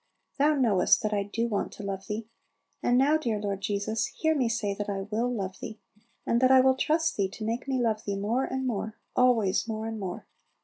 Thou knowest that I do want to love Thee; and now, dear Lord Jesus, hear me say that I will love Thee, and that I will trust Thee to make me love Thee more and more, always more and more.